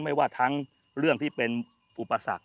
ไม่ว่าทั้งเรื่องที่เป็นอุปสรรค